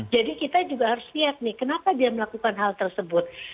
jadi kita juga harus lihat kenapa dia melakukan hal tersebut